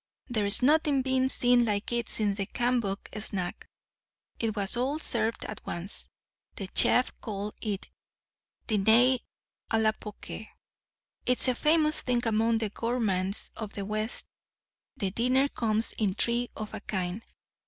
There's nothing been seen like it since the Cambon snack. It was all served at once. The chef called it dinnay à la poker. It's a famous thing among the gormands of the West. The dinner comes in threes of a kind.